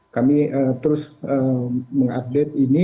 kami terus mengupdate ini